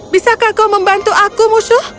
bisakah kau membantu aku musuh